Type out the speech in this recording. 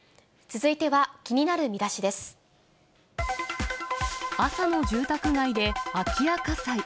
続いては、気になるミダシで朝の住宅街で空き家火災。